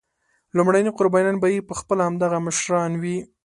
لومړني قربانیان به یې پخپله همدغه مشران وي.